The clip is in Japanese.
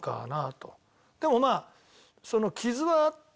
でもまあ傷はあっても。